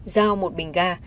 giao một bình gà